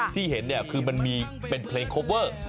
ที่เห็นนี่คือมันเป็นเพลงเกอร์เวิร์ด